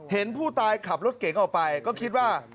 เห็นผู้ตายขับรถเก๋งออกไปก็คิดว่า